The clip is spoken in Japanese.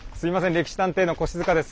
「歴史探偵」の越塚です。